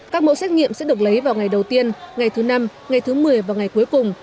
các mẫu xét nghiệm sẽ được lấy vào ngày đầu tiên ngày thứ năm ngày thứ một mươi và ngày cuối cùng